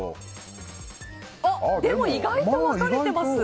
意外と分かれてます。